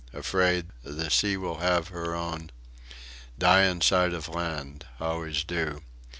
Afraid. The sea will have her own. Die in sight of land. Always so.